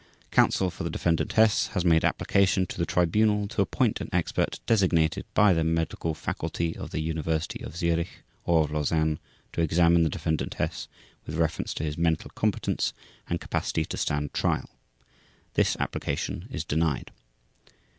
Counsel for the Defendant Hess has made application to the Tribunal to appoint an expert designated by the medical faculty of the University of Zürich or of Lausanne to examine the Defendant Hess with reference to his mental competence and capacity to stand trial. This application is denied.